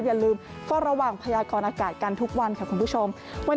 อย่าลืมเฝ้าระวังพยากรอากาศกันทุกวันค่ะคุณผู้ชม